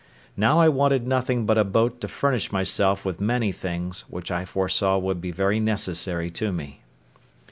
Now I wanted nothing but a boat to furnish myself with many things which I foresaw would be very necessary to me.